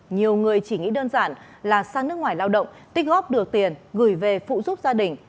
nhiều người chỉ nghĩ đơn giản là sang nước ngoài lao động tích góp được tiền gửi về phụ giúp gia đình